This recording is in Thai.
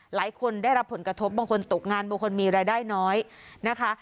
หลายคนได้รับผลกระทบบางคนตกงานบางคนมีรายได้น้อยนะคะ